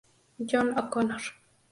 John O'Connor.